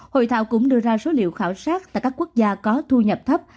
hội thảo cũng đưa ra số liệu khảo sát tại các quốc gia có thu nhập thấp